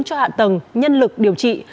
cho hạ tầng nhân lực điều trị